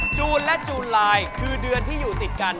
จูนและจูนลายคือเดือนที่อยู่ติดกัน